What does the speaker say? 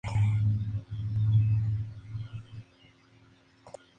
Estaba asociada a la generación de vida.